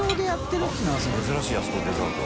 珍しいあそこにデザート。